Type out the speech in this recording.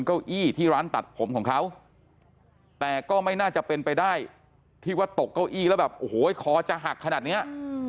โอ้โหขอจะหักขนาดเนี้ย